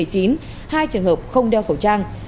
hai trường hợp không đeo khẩu trang